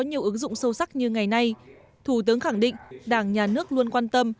nhiều ứng dụng sâu sắc như ngày nay thủ tướng khẳng định đảng nhà nước luôn quan tâm